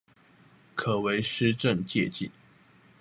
可為施政借鏡